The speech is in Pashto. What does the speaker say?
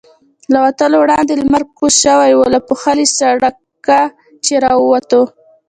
له وتلو وړاندې لمر کوز شوی و، له پوښلي سړکه چې را ووتو.